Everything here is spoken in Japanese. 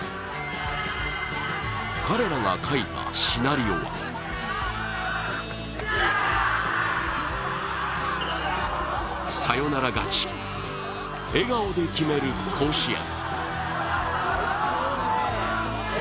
彼らが書いたシナリオはサヨナラ勝ち、笑顔で決める甲子園。